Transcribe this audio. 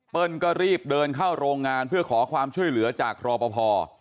ก็รีบเดินเข้าโรงงานเพื่อขอความช่วยเหลือจากรอปภ